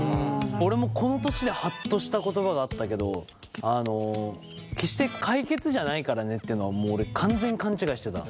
俺もこの年でハッとした言葉があったけど決して解決じゃないからねっていうのはもう俺完全に勘違いしてた。